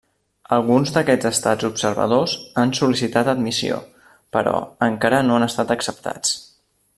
Alguns d'aquests estats observadors han sol·licitat admissió, però, encara no han estat acceptats.